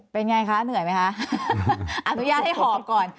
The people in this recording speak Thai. เป็นไงคะเหนื่อยไหมคะอนุญาตให้หอบก่อน